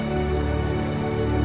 kamu gak mau